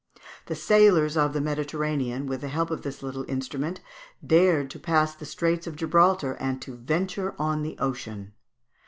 The sailors of the Mediterranean, with the help of this little instrument, dared to pass the Straits of Gibraltar, and to venture on the ocean.